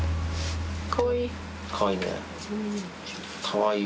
かわいい。